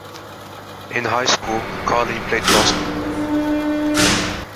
In high school, Carlene played basketball.